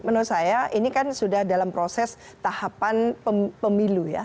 menurut saya ini kan sudah dalam proses tahapan pemilu ya